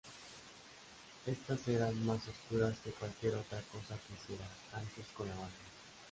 Estas eran más oscuras que cualquier otra cosa que hiciera antes con la banda.